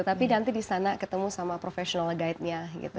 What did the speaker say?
tapi nanti di sana ketemu sama professional guide nya gitu